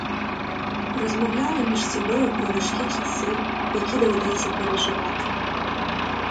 Розмовляли між собою про важкі часи, які доведеться переживати.